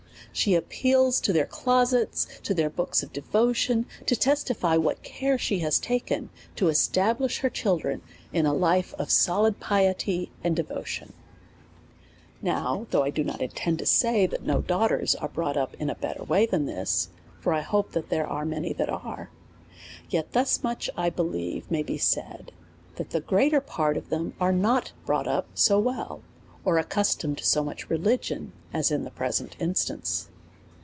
She appeals to their clo sets, to their books of devotion, to testify what care she has taken to establish her children in a life of solid piety and devotion. Now though I do not intend to say, that no daugh ters are brought up in a better way than this, for I hope there are many that are ; yet this much 1 believe may be said, that the much greater part of them are not brought up so well, or accustomed to so much re ligion, as in the present instance.